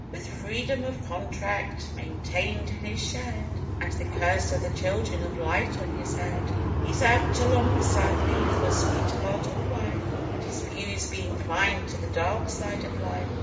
With Freedom of Contract maintained in his shed, And the curse of the Children of Light on his head, He's apt to long sadly for sweetheart or wife, And his views be inclined to the dark side of life.